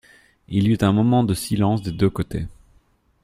Il y eut un moment de silence des deux côtés.